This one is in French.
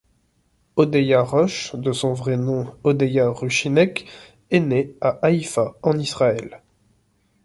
Odeya Rush, de son vrai nom Odeya Rushinek, est née à Haïfa, en Israël.